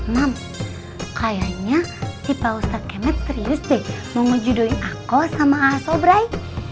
mam kayaknya si pak ustadz kemet serius deh mau ngejudoin aku sama asobrai